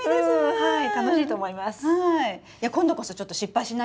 はい。